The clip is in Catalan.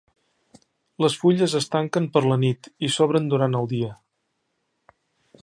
Les fulles es tanquen per la nit i s'obren durant el dia.